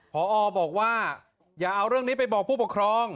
พอบอกว่าอย่าเอาเรื่องนี้ไปบอกผู้ปกครอง